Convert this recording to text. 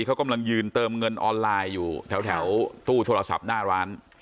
เขากำลังยืนเติมเงินออนไลน์อยู่แถวตู้โทรศัพท์หน้าร้าน